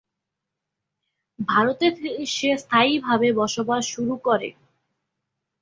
ভারতে সে স্থায়ীভাবে বসবাস শুরু করে।